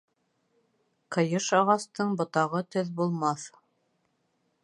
Ҡыйыш ағастың ботағы төҙ булмаҫ.